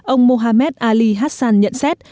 ông mohamed ali hassan nhận xét